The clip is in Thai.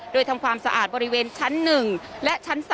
โดยทำความสะอาดบริเวณชั้น๑และชั้น๓